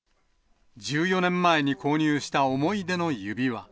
１４年前に購入した思い出の指輪。